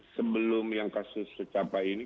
sebelum yang kasus tercapai ini